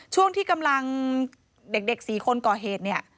ช่วงที่กำลังเด็ก๔คนก่อเหตุเนี่ย